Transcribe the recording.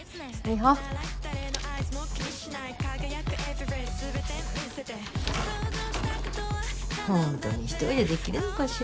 ホントに一人でできるのかしら。